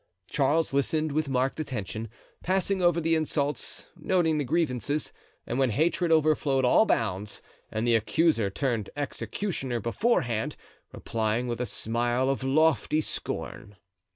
Charles listened with marked attention, passing over the insults, noting the grievances, and, when hatred overflowed all bounds and the accuser turned executioner beforehand, replying with a smile of lofty scorn.